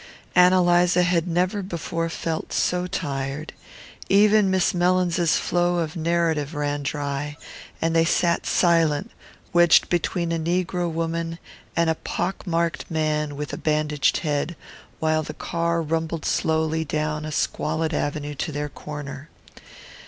Ann Eliza had never before felt so tired. Even Miss Mellins's flow of narrative ran dry, and they sat silent, wedged between a negro woman and a pock marked man with a bandaged head, while the car rumbled slowly down a squalid avenue to their corner.